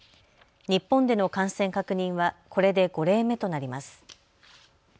日本での感染確認はこれで５例目となります。